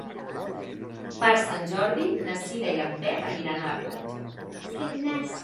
Per Sant Jordi na Cira i en Pep aniran a la platja.